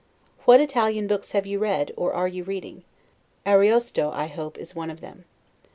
What Italian books have you read, or are you reading? Ariosto. I hope, is one of them.